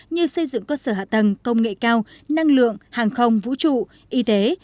như xây dựng cơ sở hạ tầng công nghệ cao năng lượng hàng không vũ trụ y tế